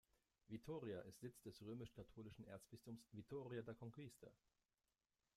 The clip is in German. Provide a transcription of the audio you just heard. Vitória ist Sitz des römisch-katholischen Erzbistums Vitória da Conquista.